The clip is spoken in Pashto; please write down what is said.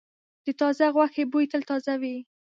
د تازه غوښې بوی تل تازه وي.